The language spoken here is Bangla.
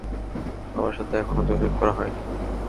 আমার সাথে এখনও যোগাযোগ করা হয়নি।